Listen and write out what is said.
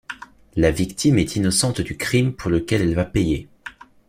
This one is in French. La victime est innocente du crime pour lequel elle va payer.